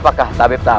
ular dumung raja